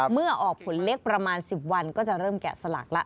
เมื่อออกผลเล็กประมาณ๑๐วันก็จะเริ่มแกะสลักละ